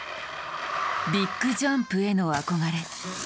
ビッグジャンプへの憧れ。